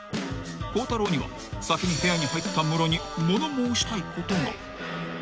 ［孝太郎には先に部屋に入ったムロに物申したいことが］